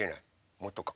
もっとか。